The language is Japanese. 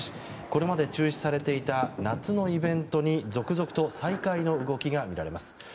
これまで中止されていた夏のイベントに続々と再開の動きが見られます。